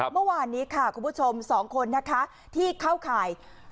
เมื่อวานนี้ค่ะคุณผู้ชม๒คนนะคะที่เข้าข่าย